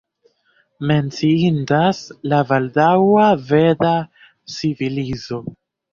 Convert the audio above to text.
Menciindas la baldaŭa veda civilizo.